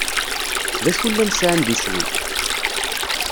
D acu llan sɛan d iswi?